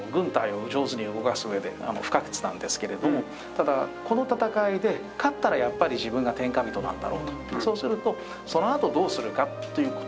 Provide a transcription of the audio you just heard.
ただこの戦いで勝ったらやっぱり自分が天下人なんだろうと。